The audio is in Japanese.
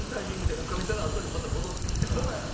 女将さんがあとでまた戻ってきて払うんですか？